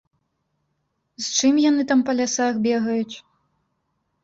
З чым яны там па лясах бегаюць?